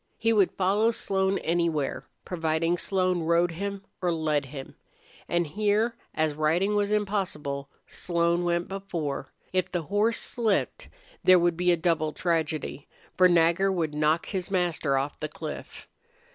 He would follow Slone anywhere, providing Slone rode him or led him. And here, as riding was impossible, Slone went before. If the horse slipped there would be a double tragedy, for Nagger would knock his master off the cliff.